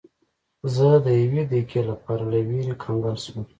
زه د یوې دقیقې لپاره له ویرې کنګل شوم.